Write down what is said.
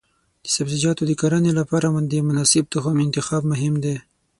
د سبزیجاتو د کرنې لپاره د مناسب تخم انتخاب مهم دی.